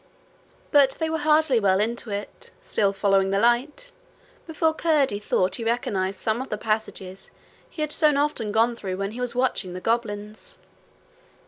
But they were hardly well into it, still following the light, before Curdie thought he recognized some of the passages he had so often gone through when he was watching the goblins.